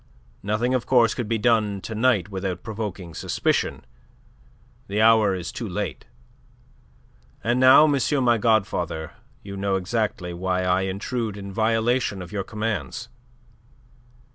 Nothing, of course, could be done to night without provoking suspicion. The hour is too late. And now, monsieur my godfather, you know exactly why I intrude in violation of your commands.